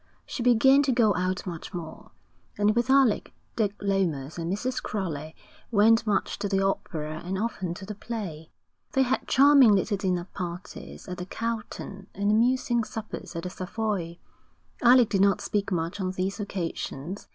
She began to go out much more; and with Alec, Dick Lomas, and Mrs. Crowley, went much to the opera and often to the play. They had charming little dinner parties at the Carlton and amusing suppers at the Savoy. Alec did not speak much on these occasions.